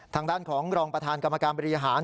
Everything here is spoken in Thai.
ทางด้านของรองประธานกรรมการบริหาร